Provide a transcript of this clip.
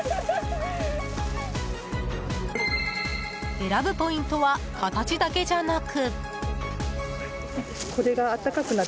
選ぶポイントは形だけじゃなく。